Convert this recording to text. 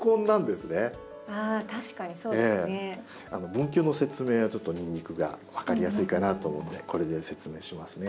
分球の説明はちょっとニンニクが分かりやすいかなと思うんでこれで説明しますね。